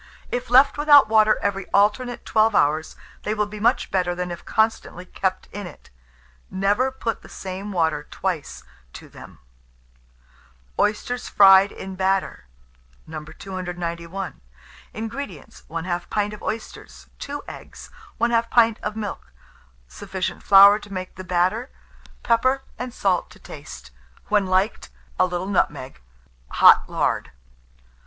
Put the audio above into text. If left without water every alternate 12 hours, they will be much better than if constantly kept in it. Never put the same water twice to them. OYSTERS FRIED IN BATTER. 291. INGREDIENTS. 1/2 pint of oysters, 2 eggs, 1/2 pint of milk, sufficient flour to make the batter; pepper and salt to taste; when liked, a little nutmeg; hot lard.